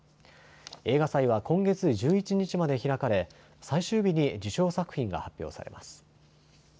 映画祭は今月１１日まで開かれ最終日に受賞作品が発表されます。